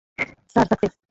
Sir, success!